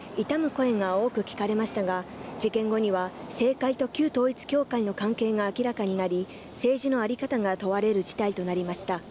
声が多く聞かれましたが、事件後には政界と旧統一教会の関係が明らかになり、政治のあり方が問われる事態となりました。